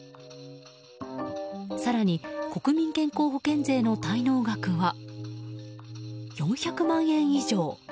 更に国民健康保険税の滞納額は４００万円以上。